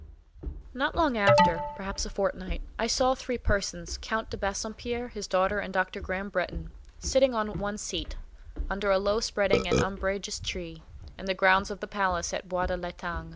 Not long after, perhaps a fortnight, I saw three persons, Count de Bassompierre, his daughter, and Dr. Graham Bretton, sitting on one seat, under a low spreading and umbrageous tree, in the grounds of the palace at Bois l'Etang.